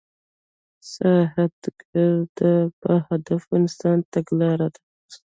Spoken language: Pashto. سادهګي د باهدفه انسان تګلاره ده.